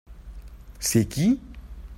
C'est qui ?